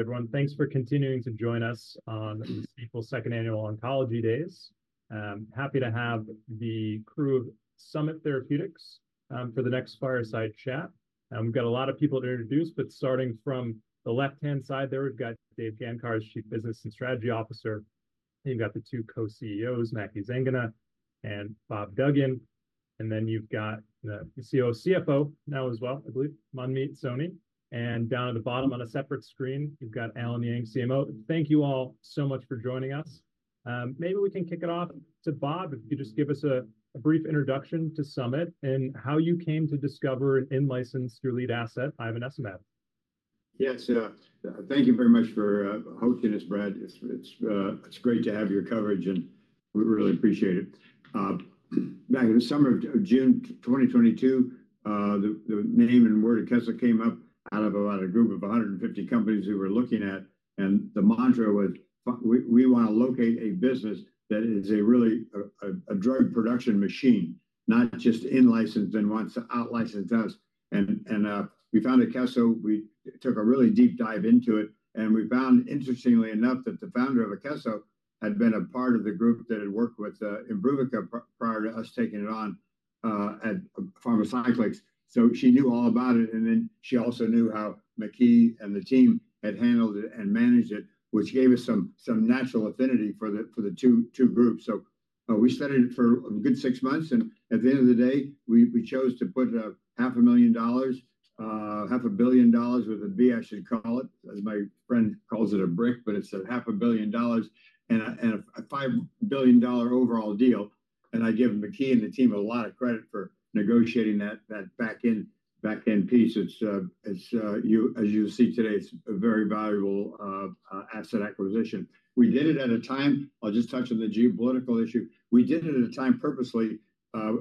Everyone, thanks for continuing to join us on this second annual Oncology Days. Happy to have the crew of Summit Therapeutics for the next fireside chat. We've got a lot of people to introduce, but starting from the left-hand side there, we've got Dave Gancarz, Chief Business and Strategy Officer. You've got the two co-CEOs, Maky Zanganeh and Bob Duggan, and then you've got the COO, CFO now as well, I believe, Manmeet Soni. And down at the bottom on a separate screen, you've got Allen Yang, CMO. Thank you all so much for joining us. Maybe we can kick it off to Bob, if you could just give us a brief introduction to Summit and how you came to discover and in-license your lead asset, ivonescimab. Yes, yeah. Thank you very much for hosting us, Brad. It's great to have your coverage, and we really appreciate it. Back in the summer of June 2022, the name and word Akeso came up out of about a group of 150 companies we were looking at, and the mantra was, we wanna locate a business that is a really drug production machine, not just in-license, then wants to out-license us. We found Akeso. We took a really deep dive into it, and we found, interestingly enough, that the founder of Akeso had been a part of the group that had worked with Imbruvica prior to us taking it on at Pharmacyclics. So she knew all about it, and then she also knew how Maky and the team had handled it and managed it, which gave us some, some natural affinity for the, for the two, two groups. So, we studied it for a good six months, and at the end of the day, we, we chose to put up $500,000, $500 million, with a B I should call it, as my friend calls it a brick, but it's $500 million and a $5 billion overall deal. And I give Maky and the team a lot of credit for negotiating that, that back-end, back-end piece. It's, it's, you-- as you see today, it's a very valuable, asset acquisition. We did it at a time... I'll just touch on the geopolitical issue. We did it at a time purposely.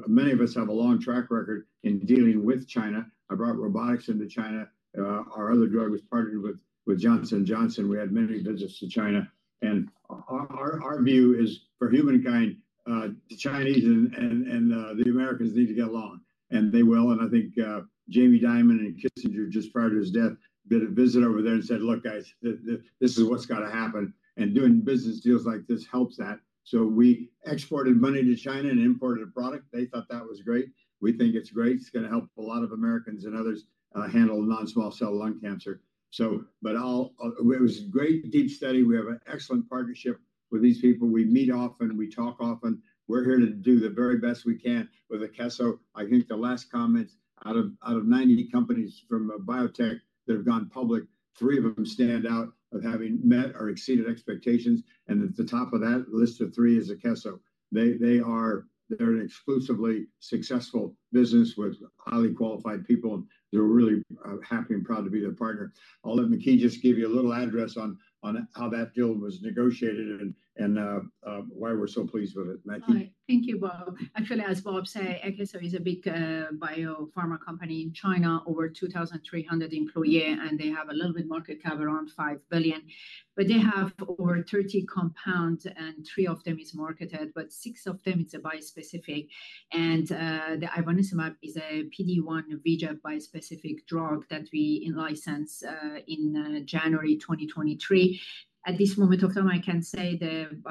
Many of us have a long track record in dealing with China. I brought robotics into China. Our other drug was partnered with Johnson & Johnson. We had many visits to China, and our view is, for humankind, the Chinese and the Americans need to get along, and they will. And I think Jamie Dimon and Kissinger, just prior to his death, did a visit over there and said, "Look, guys, this is what's gotta happen." And doing business deals like this helps that. So we exported money to China and imported a product. They thought that was great. We think it's great. It's gonna help a lot of Americans and others handle non-small cell lung cancer. So but I'll... It was a great, deep study. We have an excellent partnership with these people. We meet often, we talk often. We're here to do the very best we can with Akeso. I think the last comment, out of 90 companies from biotech that have gone public, three of them stand out of having met or exceeded expectations, and at the top of that list of three is Akeso. They are an exclusively successful business with highly qualified people, and they're really happy and proud to be their partner. I'll let Maky just give you a little address on how that deal was negotiated and why we're so pleased with it. Maky? Hi. Thank you, Bob. Actually, as Bob say, Akeso is a big biopharma company in China, over 2,300 employee, and they have a little bit market cap, around $5 billion. But they have over 30 compounds, and three of them is marketed, but six of them is a bispecific. And the ivonescimab is a PD-1/VEGF bispecific drug that we in-license in January 2023. At this moment of time, I can say that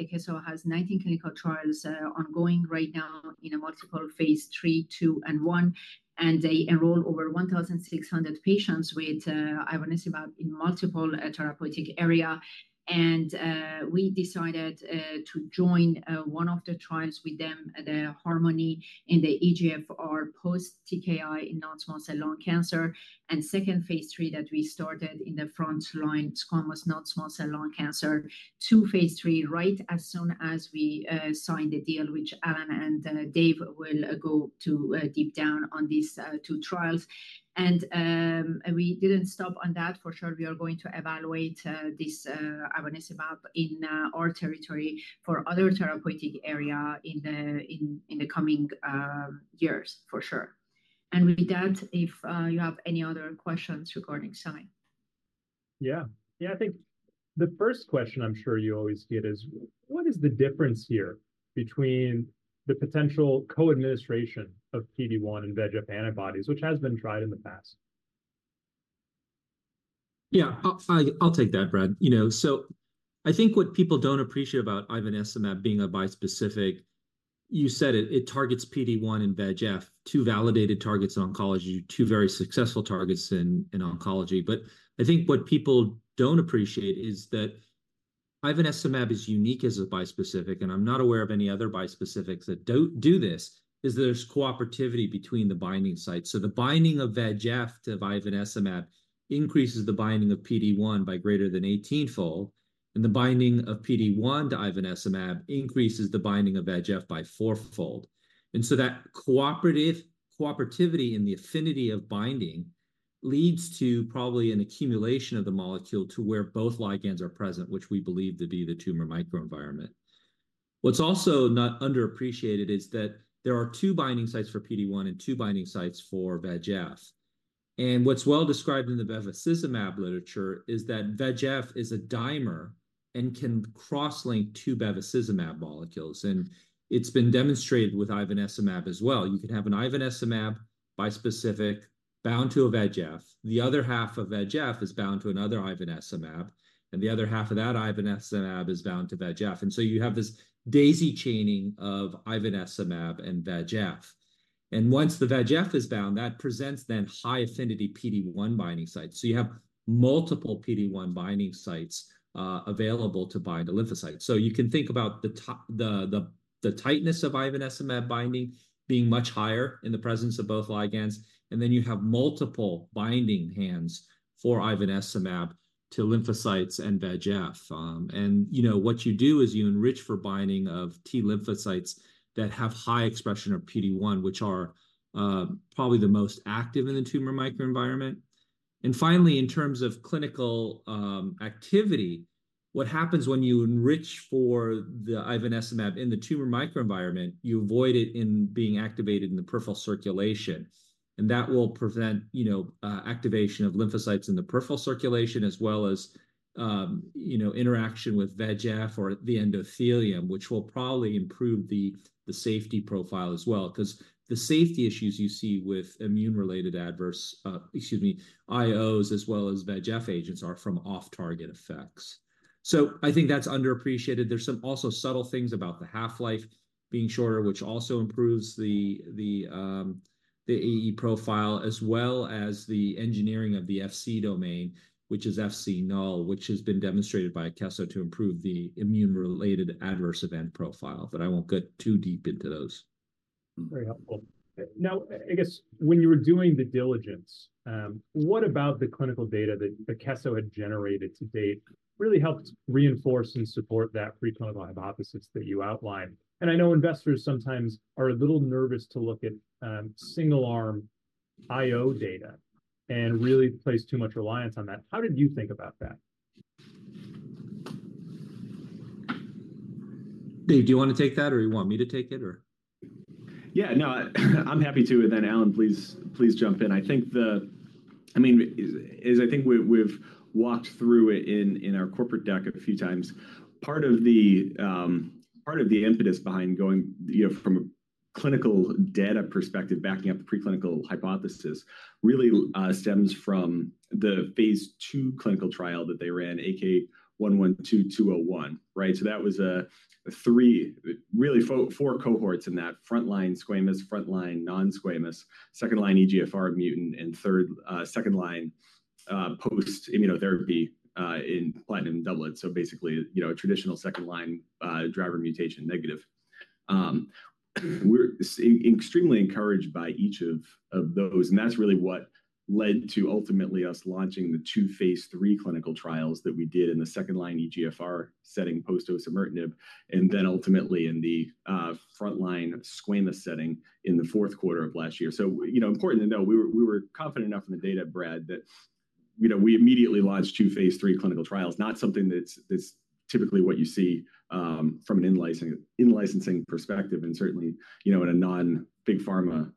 Akeso has 19 clinical trials ongoing right now in a multiple phase III, II, and I, and they enroll over 1,600 patients with ivonescimab in multiple therapeutic area. We decided to join one of the trials with them, the HARMONi in the EGFR post-TKI in non-small cell lung cancer, and second phase III that we started in the front line squamous, non-small cell lung cancer, two phase III, right as soon as we signed the deal, which Allen and Dave will go to deep down on these two trials. We didn't stop on that. For sure, we are going to evaluate this ivonescimab in our territory for other therapeutic area in the coming years, for sure. With that, if you have any other questions regarding Summit? Yeah. Yeah, I think the first question I'm sure you always get is: what is the difference here between the potential co-administration of PD-1 and VEGF antibodies, which has been tried in the past? Yeah, I'll take that, Brad. You know, so I think what people don't appreciate about ivonescimab being a bispecific... You said it, it targets PD-1 and VEGF, two validated targets in oncology, two very successful targets in oncology. But I think what people don't appreciate is that ivonescimab is unique as a bispecific, and I'm not aware of any other bispecifics that don't do this, is there's cooperativity between the binding sites. So the binding of VEGF to ivonescimab increases the binding of PD-1 by greater than 18-fold, and the binding of PD-1 to ivonescimab increases the binding of VEGF by 4-fold. And so that cooperativity in the affinity of binding leads to probably an accumulation of the molecule to where both ligands are present, which we believe to be the tumor microenvironment. What's also not underappreciated is that there are two binding sites for PD-1 and two binding sites for VEGF. And what's well described in the bevacizumab literature is that VEGF is a dimer and can cross-link two bevacizumab molecules, and it's been demonstrated with ivonescimab as well. You can have an ivonescimab bispecific bound to VEGF. The other half of VEGF is bound to another ivonescimab, and the other half of that ivonescimab is bound to VEGF. And so you have this daisy chaining of ivonescimab and VEGF. And once the VEGF is bound, that presents then high-affinity PD-1 binding sites. So you have multiple PD-1 binding sites, available to bind the lymphocytes. So you can think about the tightness of ivonescimab binding being much higher in the presence of both ligands, and then you have multiple binding hands for ivonescimab to lymphocytes and VEGF. And, you know, what you do is you enrich for binding of T lymphocytes that have high expression of PD-1, which are probably the most active in the tumor microenvironment. And finally, in terms of clinical activity, what happens when you enrich for the ivonescimab in the tumor microenvironment, you avoid it in being activated in the peripheral circulation. And that will prevent, you know, activation of lymphocytes in the peripheral circulation, as well as, you know, interaction with VEGF or the endothelium, which will probably improve the safety profile as well. 'Cause the safety issues you see with immune-related adverse, excuse me, IOs, as well as VEGF agents, are from off-target effects. So I think that's underappreciated. There's some also subtle things about the half-life being shorter, which also improves the AE profile, as well as the engineering of the Fc domain, which is Fc null, which has been demonstrated by Akeso to improve the immune-related adverse event profile, but I won't get too deep into those. Very helpful. Now, I guess when you were doing the diligence, what about the clinical data that Akeso had generated to date really helped reinforce and support that preclinical hypothesis that you outlined? I know investors sometimes are a little nervous to look at single-arm IO data and really place too much reliance on that. How did you think about that? Dave, do you wanna take that, or you want me to take it or? Yeah, no, I'm happy to, and then, Allen, please, please jump in. I think the—I mean, as I think we, we've walked through it in our corporate deck a few times, part of the, part of the impetus behind going, you know, from a clinical data perspective, backing up the preclinical hypothesis, really, stems from the phase II clinical trial that they ran, AK112-201, right? So that was a three, really four cohorts in that frontline squamous, frontline non-squamous, second-line EGFR mutant, and third, second line, post-immunotherapy in platinum doublet. So basically, you know, a traditional second-line, driver mutation negative. We're extremely encouraged by each of those, and that's really what led to ultimately us launching the two phase III clinical trials that we did in the second-line EGFR setting post osimertinib, and then ultimately in the frontline squamous setting in the fourth quarter of last year. So, you know, important to know, we were confident enough in the data, Brad, that, you know, we immediately launched two phase III clinical trials, not something that's typically what you see from an in-licensing perspective, and certainly, you know, in a non-big pharma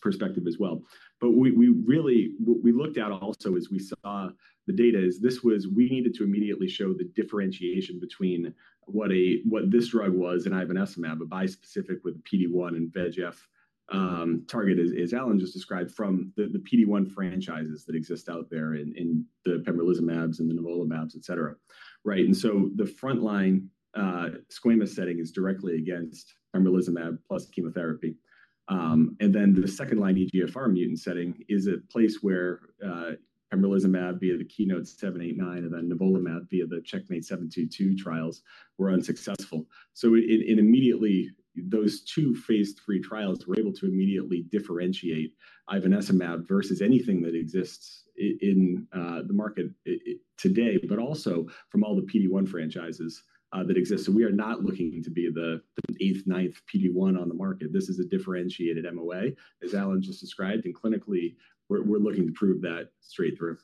perspective as well. But we really what we looked at also as we saw the data is, this was we needed to immediately show the differentiation between what, what this drug was, an ivonescimab, a bispecific with PD-1 and VEGF target, as, as Allen just described, from the PD-1 franchises that exist out there in the pembrolizumabs and the nivolumabs, et cetera, right? And so the frontline squamous setting is directly against pembrolizumab plus chemotherapy. And then the second-line EGFR mutant setting is a place where pembrolizumab, via the KEYNOTE-789, and then nivolumab, via the CheckMate 722 trials, were unsuccessful. So those two phase III trials were able to immediately differentiate ivonescimab versus anything that exists in the market today, but also from all the PD-1 franchises that exist. So we are not looking to be the eighth, ninth PD-1 on the market. This is a differentiated MOA, as Allen just described, and clinically, we're looking to prove that straight through.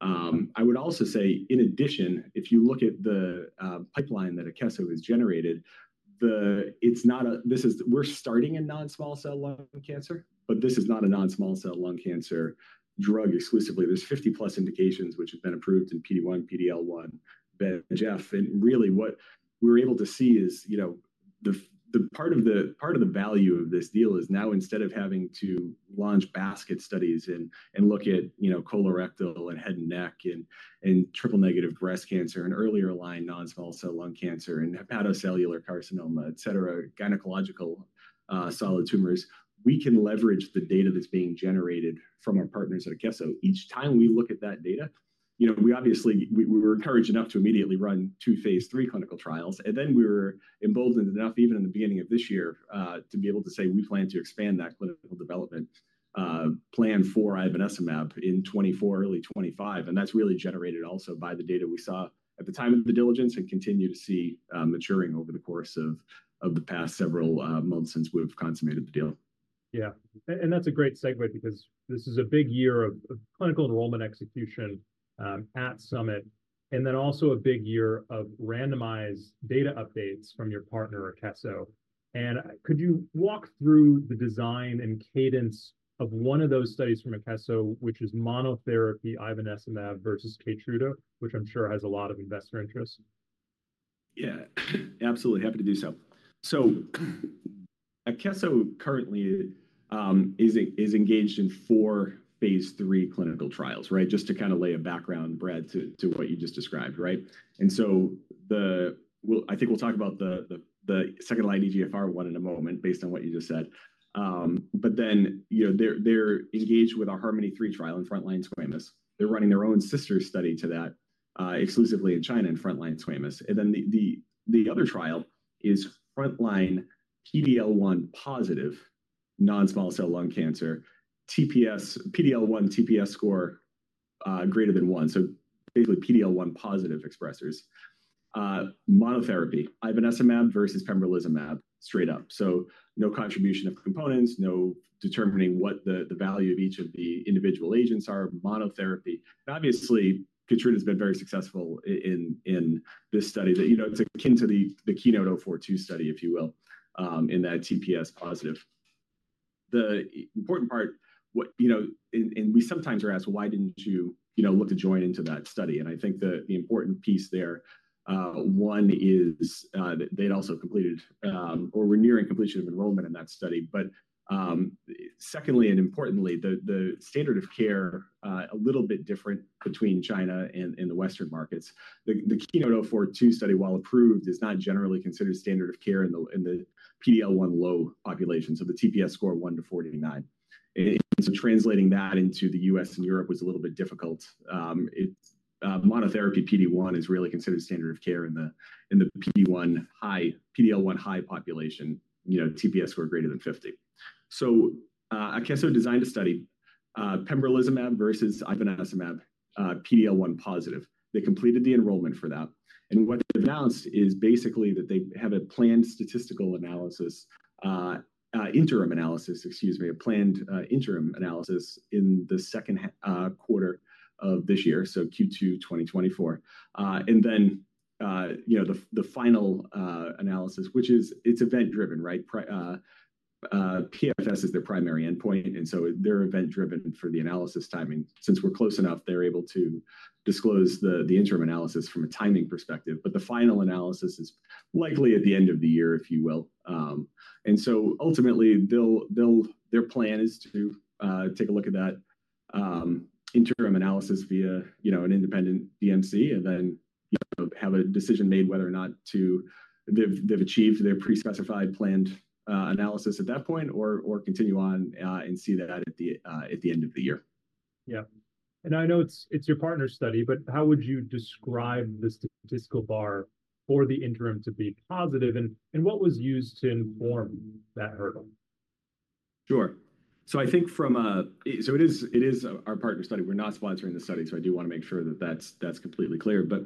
I would also say, in addition, if you look at the pipeline that Akeso has generated, it's not a this is we're starting in non-small cell lung cancer, but this is not a non-small cell lung cancer drug exclusively. There's 50+ indications which have been approved in PD-1, PD-L1, VEGF. Really, what we were able to see is, you know, the part of the value of this deal is now instead of having to launch basket studies and look at, you know, colorectal and head and neck and triple-negative breast cancer and earlier-line non-small cell lung cancer and hepatocellular carcinoma, et cetera, gynecological solid tumors, we can leverage the data that's being generated from our partners at Akeso. Each time we look at that data, you know, we obviously were encouraged enough to immediately run two phase III clinical trials, and then we were emboldened enough, even in the beginning of this year, to be able to say we plan to expand that clinical development plan for ivonescimab in 2024, early 2025. That's really generated also by the data we saw at the time of the diligence and continue to see maturing over the course of the past several months since we've consummated the deal. Yeah. And that's a great segue because this is a big year of clinical enrollment execution at Summit, and then also a big year of randomized data updates from your partner, Akeso. And could you walk through the design and cadence of one of those studies from Akeso, which is monotherapy ivonescimab versus Keytruda, which I'm sure has a lot of investor interest?... Yeah, absolutely happy to do so. So, Akeso currently is engaged in four phase III clinical trials, right? Just to kind of lay a background, Brad, to what you just described, right? And so the, well, I think we'll talk about the second-line EGFR one in a moment, based on what you just said. But then, you know, they're engaged with our HARMONi-3 trial in frontline squamous. They're running their own sister study to that, exclusively in China, in frontline squamous. And then the other trial is frontline PD-L1 positive, non-small cell lung cancer, TPS, PD-L1 TPS score greater than one, so basically PD-L1 positive expressors. Monotherapy, ivonescimab versus pembrolizumab, straight up. So no contribution of components, no determining what the value of each of the individual agents are, monotherapy. Obviously, Keytruda has been very successful in this study that, you know, it's akin to the KEYNOTE-042 study, if you will, in that TPS positive. The important part, what you know, and we sometimes are asked: "Why didn't you, you know, look to join into that study?" I think the important piece there, one is they'd also completed or were nearing completion of enrollment in that study. But secondly and importantly, the standard of care a little bit different between China and the Western markets. The KEYNOTE-042 study, while approved, is not generally considered standard of care in the PD-L1 low population, so the TPS score 1-49. And so translating that into the U.S. and Europe was a little bit difficult. It monotherapy PD-1 is really considered standard of care in the PD-L1 high population, you know, TPS score greater than 50. So, Akeso designed a study, pembrolizumab versus ivonescimab, PD-L1 positive. They completed the enrollment for that, and what they've announced is basically that they have a planned statistical analysis, interim analysis, excuse me, a planned interim analysis in the second quarter of this year, so Q2 2024. And then, you know, the final analysis, which is, it's event-driven, right? PFS is their primary endpoint, and so they're event-driven for the analysis timing. Since we're close enough, they're able to disclose the interim analysis from a timing perspective, but the final analysis is likely at the end of the year, if you will. And so ultimately, they'll, their plan is to take a look at that interim analysis via, you know, an independent DMC and then, you know, have a decision made whether or not to... They've achieved their pre-specified planned analysis at that point, or continue on and see that at the end of the year. Yeah. And I know it's your partner's study, but how would you describe the statistical bar for the interim to be positive, and what was used to inform that hurdle? Sure. So I think from a so it is, it is our partner study. We're not sponsoring the study, so I do wanna make sure that that's, that's completely clear. But,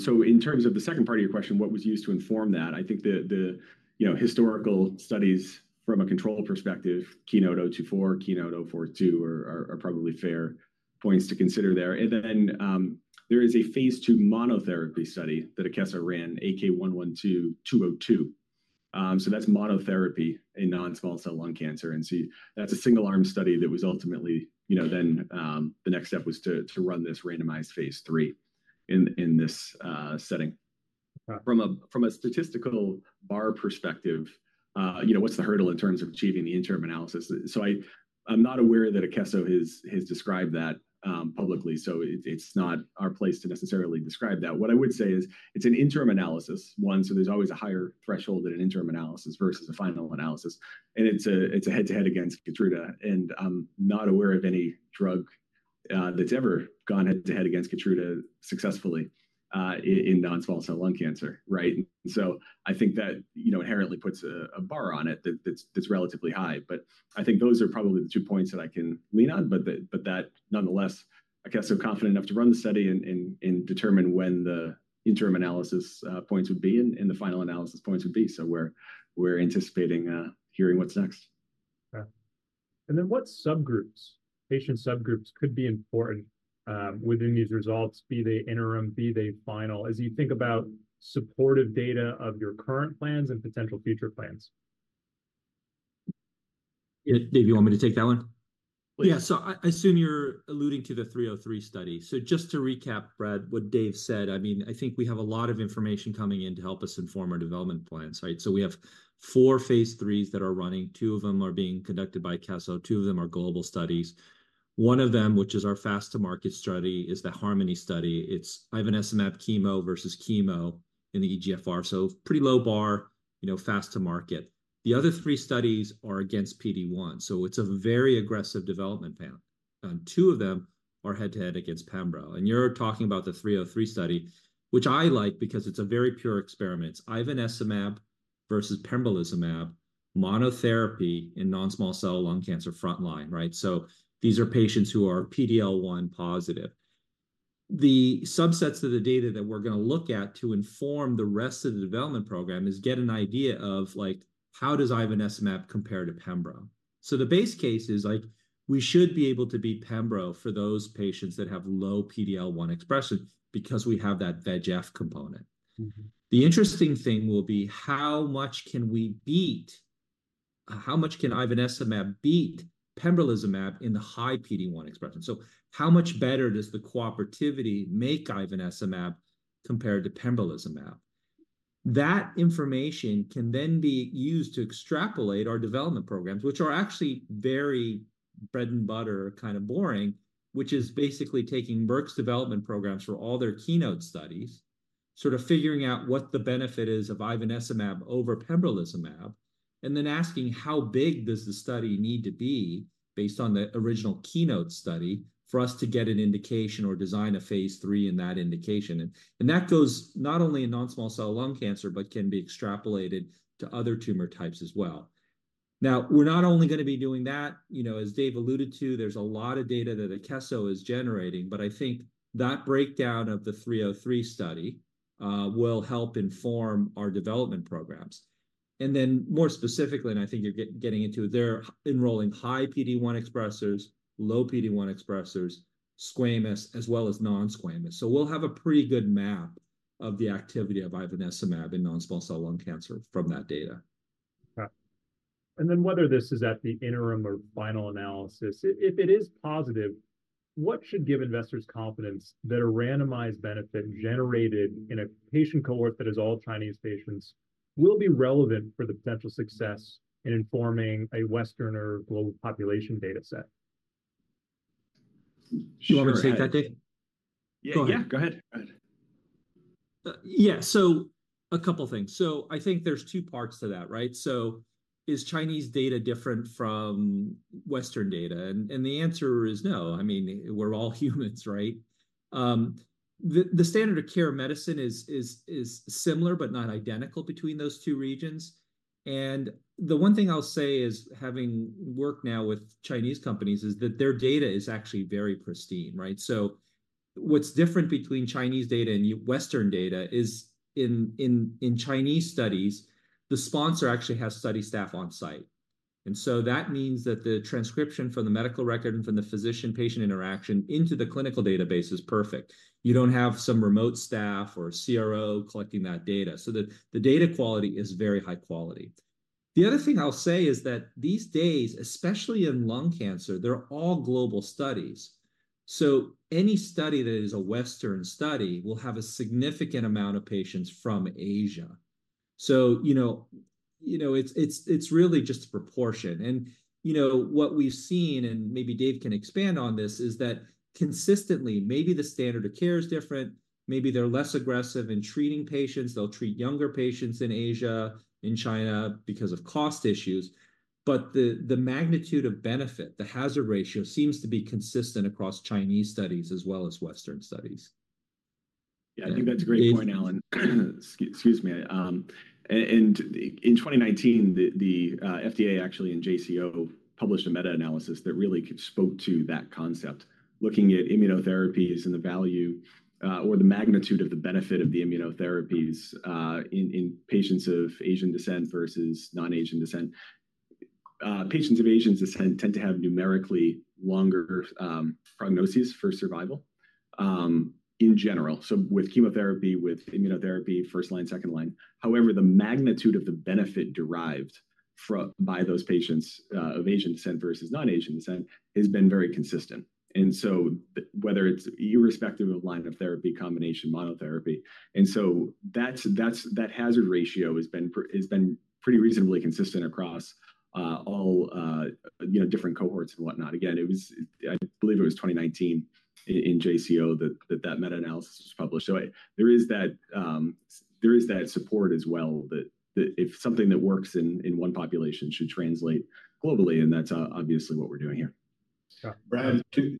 so in terms of the second part of your question, what was used to inform that? I think the, you know, historical studies from a control perspective, KEYNOTE-024, KEYNOTE-042, are probably fair points to consider there. And then, there is a phase II monotherapy study that Akeso ran, AK112-202. So that's monotherapy in non-small cell lung cancer, and so that's a single-arm study that was ultimately... You know, then, the next step was to run this randomized phase III in this setting. Right. From a statistical bar perspective, you know, what's the hurdle in terms of achieving the interim analysis? So I'm not aware that Akeso has described that publicly, so it's not our place to necessarily describe that. What I would say is it's an interim analysis, one, so there's always a higher threshold than an interim analysis versus a final analysis. And it's a head-to-head against Keytruda, and I'm not aware of any drug that's ever gone head-to-head against Keytruda successfully in non-small cell lung cancer, right? So I think that, you know, inherently puts a bar on it that's relatively high. But I think those are probably the two points that I can lean on. But nonetheless, Akeso are confident enough to run the study and determine when the interim analysis points would be and the final analysis points would be. So we're anticipating hearing what's next. Yeah. And then what subgroups, patient subgroups could be important, within these results, be they interim, be they final, as you think about supportive data of your current plans and potential future plans? Yeah, Dave, you want me to take that one? Please. Yeah, so I assume you're alluding to the 303 study. So just to recap, Brad, what Dave said, I mean, I think we have a lot of information coming in to help us inform our development plans, right? So we have four phase IIIs that are running. Two of them are being conducted by Akeso, two of them are global studies. One of them, which is our fast-to-market study, is the HARMONi study. It's ivonescimab chemo versus chemo in the EGFR. So pretty low bar, you know, fast to market. The other three studies are against PD-1, so it's a very aggressive development plan, and two of them are head-to-head against Pembro. And you're talking about the 303 study, which I like because it's a very pure experiment. It's ivonescimab versus pembrolizumab, monotherapy in non-small cell lung cancer frontline, right? So these are patients who are PD-L1 positive. The subsets of the data that we're gonna look at to inform the rest of the development program is get an idea of, like, how does ivonescimab compare to pembro? So the base case is, like, we should be able to beat pembro for those patients that have low PD-L1 expression because we have that VEGF component. Mm-hmm. The interesting thing will be: how much can ivonescimab beat pembrolizumab in the high PD-1 expression? So how much better does the cooperativity make ivonescimab compared to pembrolizumab? That information can then be used to extrapolate our development programs, which are actually very bread and butter, kind of boring, which is basically taking Merck's development programs for all their Keynote studies, sort of figuring out what the benefit is of ivonescimab over pembrolizumab, and then asking, how big does the study need to be based on the original Keynote study for us to get an indication or design a phase III in that indication? That goes not only in non-small cell lung cancer, but can be extrapolated to other tumor types as well. Now, we're not only gonna be doing that. You know, as Dave alluded to, there's a lot of data that Akeso is generating, but I think that breakdown of the 303 study will help inform our development programs. And then, more specifically, and I think you're getting into it, they're enrolling high PD-1 expressers, low PD-1 expressers, squamous, as well as non-squamous. So we'll have a pretty good map of the activity of ivonescimab in non-small cell lung cancer from that data. Okay. And then, whether this is at the interim or final analysis, if it is positive, what should give investors confidence that a randomized benefit generated in a patient cohort that is all Chinese patients will be relevant for the potential success in informing a Western or global population dataset? You want me to take that, Dave? Sure. Go ahead. Yeah, go ahead. Yeah, so a couple things. So I think there's two parts to that, right? So is Chinese data different from Western data? And the answer is no. I mean, we're all humans, right? The standard of care medicine is similar but not identical between those two regions. And the one thing I'll say is, having worked now with Chinese companies, is that their data is actually very pristine, right? So what's different between Chinese data and Western data is in Chinese studies, the sponsor actually has study staff on site. And so that means that the transcription from the medical record and from the physician-patient interaction into the clinical database is perfect. You don't have some remote staff or CRO collecting that data. So the data quality is very high quality. The other thing I'll say is that these days, especially in lung cancer, they're all global studies. So any study that is a Western study will have a significant amount of patients from Asia. So, you know, it's really just a proportion. And, you know, what we've seen, and maybe Dave can expand on this, is that consistently, maybe the standard of care is different, maybe they're less aggressive in treating patients. They'll treat younger patients in Asia, in China because of cost issues, but the magnitude of benefit, the hazard ratio, seems to be consistent across Chinese studies as well as Western studies. Yeah, I think that's a great point, Alan. Excuse me. And in 2019, the FDA, actually, and JCO, published a meta-analysis that really spoke to that concept, looking at immunotherapies and the value, or the magnitude of the benefit of the immunotherapies, in patients of Asian descent versus non-Asian descent. Patients of Asian descent tend to have numerically longer prognoses for survival in general. So with chemotherapy, with immunotherapy, first line, second line. However, the magnitude of the benefit derived from by those patients of Asian descent versus non-Asian descent has been very consistent. And so whether it's irrespective of line of therapy, combination, monotherapy, and so that's that hazard ratio has been pretty reasonably consistent across all you know different cohorts and whatnot. Again, it was... I believe it was 2019 in JCO that meta-analysis was published. So there is that support as well, that if something that works in one population should translate globally, and that's obviously what we're doing here. Yeah. Brad, to,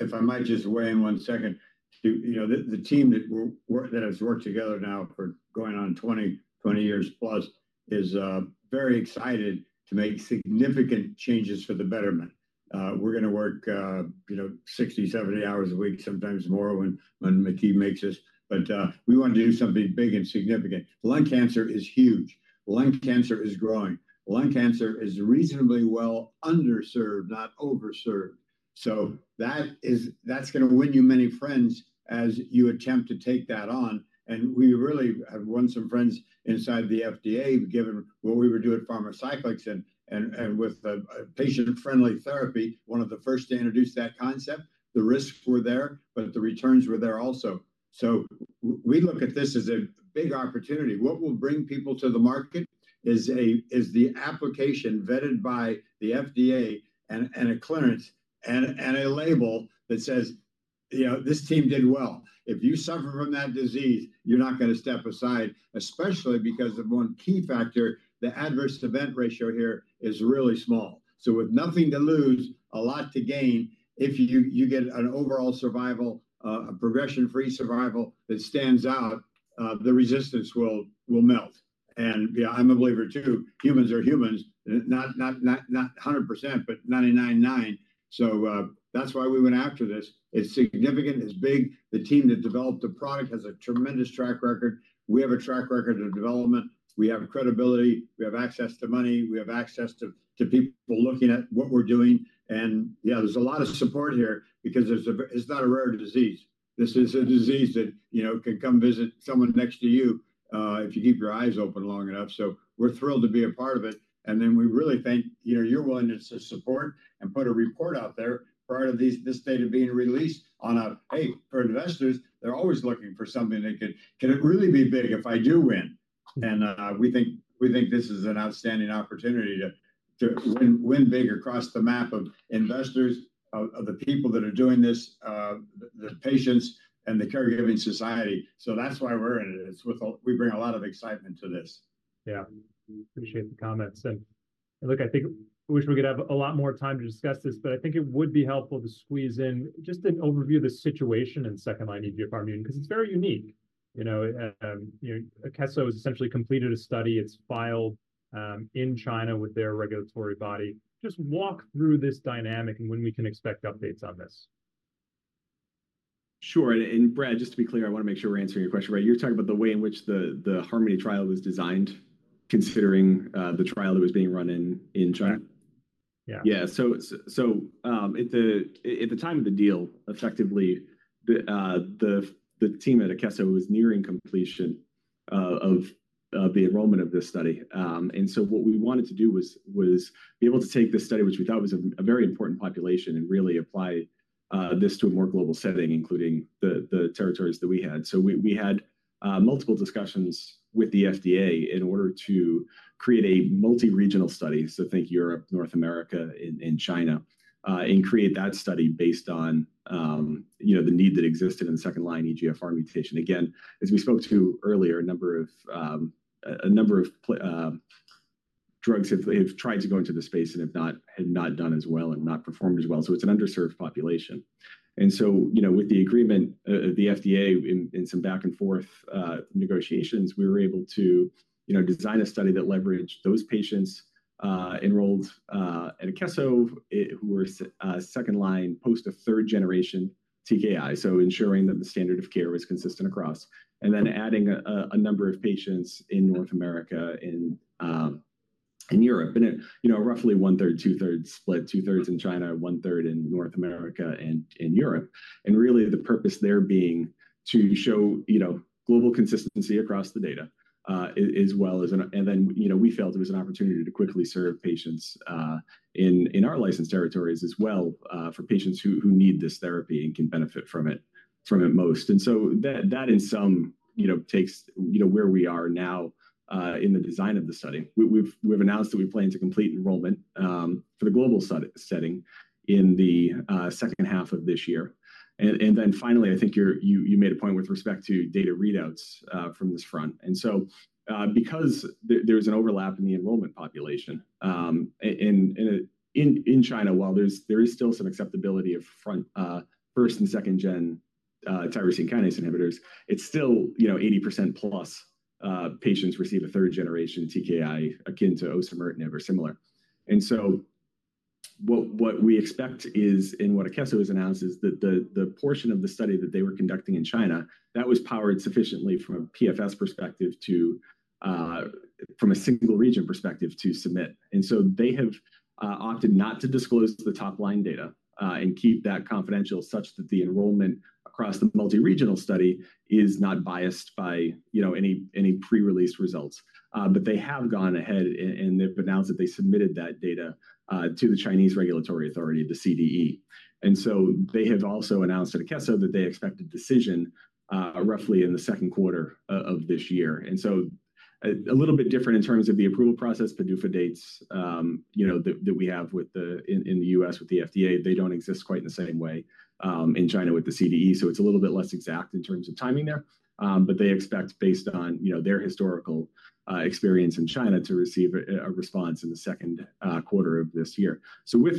if I might just weigh in one second. You know, the team that has worked together now for going on 20, 20 years plus is very excited to make significant changes for the betterment. We're gonna work, you know, 60, 70 hours a week, sometimes more when Maky makes us. But we want to do something big and significant. Lung cancer is huge. Lung cancer is growing. Lung cancer is reasonably well underserved, not overserved. So that is, that's gonna win you many friends as you attempt to take that on, and we really have won some friends inside the FDA, given what we were doing at Pharmacyclics and with a patient-friendly therapy, one of the first to introduce that concept. The risks were there, but the returns were there also. So we look at this as a big opportunity. What will bring people to the market is the application vetted by the FDA and a clearance, and a label that says, "You know, this team did well." If you suffer from that disease, you're not gonna step aside, especially because of one key factor, the adverse event ratio here is really small. So with nothing to lose, a lot to gain, if you get an overall survival, a progression-free survival that stands out, the resistance will melt. And, yeah, I'm a believer too. Humans are humans, not 100%, but 99.9%. So, that's why we went after this. It's significant, it's big. The team that developed the product has a tremendous track record. We have a track record of development. We have credibility, we have access to money, we have access to people looking at what we're doing. And yeah, there's a lot of support here because it's not a rare disease. This is a disease that, you know, can come visit someone next to you, if you keep your eyes open long enough. So we're thrilled to be a part of it, and then we really thank, you know, your willingness to support and put a report out there prior to this data being released on an A for investors. They're always looking for something that could it really be big if I do win? And we think this is an outstanding opportunity to win big across the map of investors, of the people that are doing this, the patients and the caregiving society. So that's why we're in it. It's with a, we bring a lot of excitement to this. Yeah. Appreciate the comments. And, look, I think we wish we could have a lot more time to discuss this, but I think it would be helpful to squeeze in just an overview of the situation in second-line EGFR mutant, 'cause it's very unique. You know, you know, Akeso has essentially completed a study. It's filed in China with their regulatory body. Just walk through this dynamic and when we can expect updates on this. Sure, and Brad, just to be clear, I wanna make sure we're answering your question right. You're talking about the way in which the HARMONi trial was designed, considering the trial that was being run in China? Yeah. Yeah. So, at the time of the deal, effectively, the team at Akeso was nearing completion of the enrollment of this study. And so what we wanted to do was be able to take this study, which we thought was a very important population, and really apply this to a more global setting, including the territories that we had. So we had multiple discussions with the FDA in order to create a multi-regional study, so think Europe, North America, and China, and create that study based on, you know, the need that existed in second-line EGFR mutation. Again, as we spoke to earlier, a number of drugs have tried to go into the space and have not done as well and not performed as well, so it's an underserved population. And so, you know, with the agreement, the FDA, in some back-and-forth negotiations, we were able to, you know, design a study that leveraged those patients enrolled at Akeso who were second-line post a third-generation TKI, so ensuring that the standard of care was consistent across, and then adding a number of patients in North America, in Europe. And it, you know, roughly one-third, two-thirds split, two-thirds in China, one-third in North America and in Europe. And really, the purpose there being to show, you know, global consistency across the data. And then, you know, we felt it was an opportunity to quickly serve patients in our licensed territories as well, for patients who need this therapy and can benefit from it most. And so that in sum, you know, takes where we are now in the design of the study. We've announced that we plan to complete enrollment for the global setting in the second half of this year. And then finally, I think you made a point with respect to data readouts from this front. Because there's an overlap in the enrollment population, in China, while there is still some acceptability of front, first and second gen, tyrosine kinase inhibitors, it's still, you know, 80% plus patients receive a third-generation TKI akin to osimertinib or similar. And so what we expect is, and what Akeso has announced, is that the portion of the study that they were conducting in China, that was powered sufficiently from a PFS perspective, from a single region perspective, to submit. And so they have opted not to disclose the top-line data, and keep that confidential such that the enrollment across the multi-regional study is not biased by, you know, any pre-release results. But they have gone ahead and they've announced that they submitted that data to the Chinese regulatory authority, the CDE. And so they have also announced at Akeso that they expect a decision roughly in the second quarter of this year. So a little bit different in terms of the approval process. PDUFA dates, you know, that we have with the... In the U.S., with the FDA, they don't exist quite in the same way in China with the CDE, so it's a little bit less exact in terms of timing there. But they expect, based on, you know, their historical experience in China, to receive a response in the second quarter of this year. So, you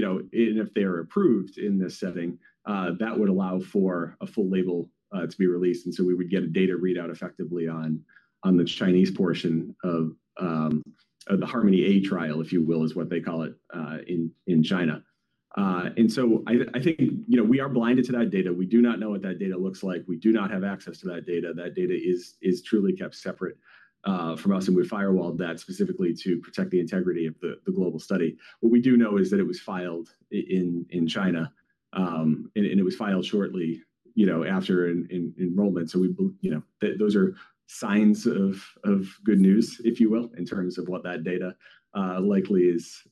know, and if they are approved in this setting, that would allow for a full label to be released, and so we would get a data readout effectively on the Chinese portion of the HARMONi-A trial, if you will, is what they call it, in China. And so I think, you know, we are blinded to that data. We do not know what that data looks like. We do not have access to that data. That data is truly kept separate from us, and we've firewalled that specifically to protect the integrity of the global study. What we do know is that it was filed in China, and it was filed shortly, you know, after enrollment. So we, you know, those are signs of good news, if you will, in terms of what that data likely is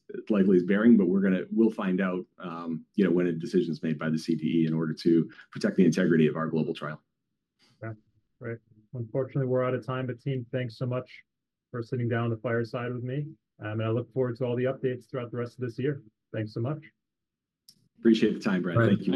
bearing. But we're gonna we'll find out, you know, when a decision is made by the CDE in order to protect the integrity of our global trial. Yeah. Great. Unfortunately, we're out of time, but team, thanks so much for sitting down on the fireside with me. And I look forward to all the updates throughout the rest of this year. Thanks so much. Appreciate the time, Brad. Thank you.